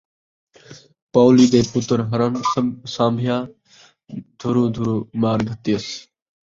پاولی دے پتر ہرݨ سانبھیا، دھرو، دھرو مار گھتیس